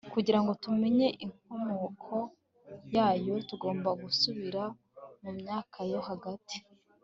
kugirango tumenye inkomoko yayo, tugomba gusubira mumyaka yo hagati